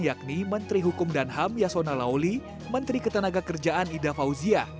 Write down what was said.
yakni menteri hukum dan ham yasona lauli menteri ketenaga kerjaan ida fauzia